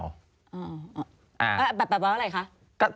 แบบอะไรคะ